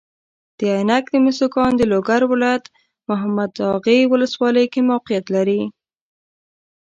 د عینک د مسو کان د لوګر ولایت محمداغې والسوالۍ کې موقیعت لري.